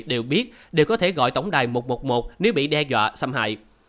đều biết đều có thể gọi tổng đài một trăm một mươi một nếu bị đe dọa xâm hại